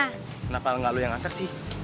kenapa enggak lo yang angkat sih